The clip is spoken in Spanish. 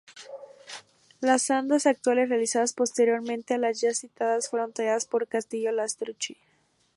Las andas actuales, realizadas posteriormente a las ya citadas fueron talladas por Castillo Lastrucci.